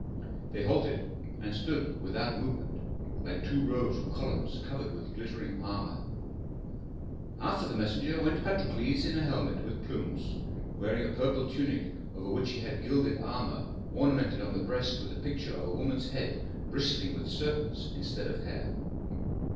They halted and stood without movement, like two rows of columns covered with glittering armor. After the messenger went Patrokles in a helmet with plumes, wearing a purple tunic over which he had gilded armor ornamented on the breast with the picture of a woman's head bristling with serpents instead of hair.